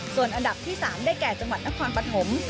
ส่วนอันดับที่๓ได้แก่จังหวัดนครปฐม